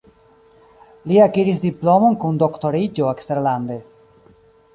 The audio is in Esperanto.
Li akiris diplomon kun doktoriĝo eksterlande.